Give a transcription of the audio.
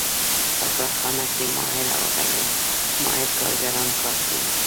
په کارخانه کې ماهر او غیر ماهر کارګران کار کوي